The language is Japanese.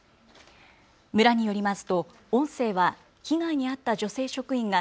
村によりますと音声は被害に遭った女性職員が